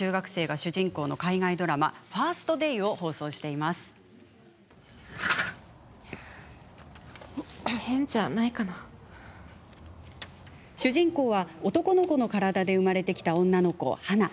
主人公は男の子の体で生まれてきた女の子ハナ。